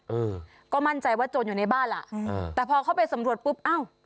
เออก็มั่นใจว่าโจรอยู่ในบ้านล่ะอืมอ่าแต่พอเข้าไปสำรวจปุ๊บอ้าว